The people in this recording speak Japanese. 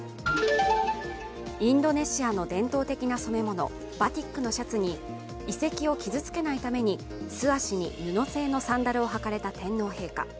インドネシアの伝統的な染め物バティックのシャツに遺跡を傷つけないために素足に布製のサンダルを履かれた天皇陛下。